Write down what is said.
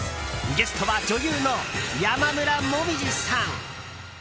ゲストは、女優の山村紅葉さん。